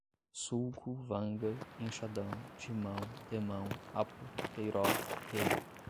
sulco, vanga, enxadão, timão, temão, apo, teiró, relha